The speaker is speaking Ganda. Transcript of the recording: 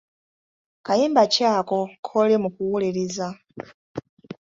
Kayimba ki ako kooli mu kuwuliriza?